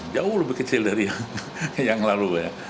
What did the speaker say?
jauh lebih kecil dari yang lalu ya